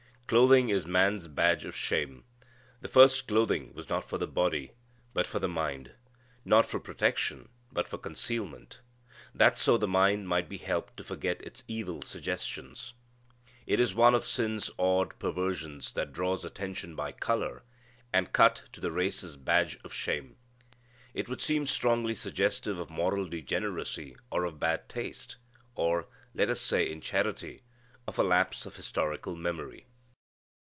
Clothing is man's badge of shame. The first clothing was not for the body, but for the mind. Not for protection, but for concealment, that so the mind might be helped to forget its evil suggestions. It is one of sin's odd perversions that draws attention by color and cut to the race's badge of shame. It would seem strongly suggestive of moral degeneracy, or of bad taste, or, let us say in charity, of a lapse of historical memory.